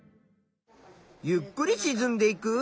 「ゆっくりしずんでいく」？